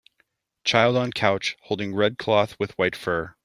Child on couch, holding red cloth with white fur.